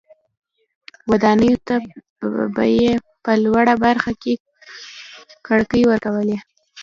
ودانیو ته به یې په لوړه برخه کې کړکۍ ورکولې.